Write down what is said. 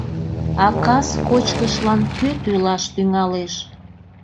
— А кас кочкышлан кӧ тӱлаш тӱҥалеш?